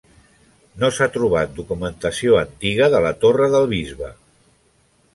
No s'ha trobat documentació antiga de la Torre del Bisbe.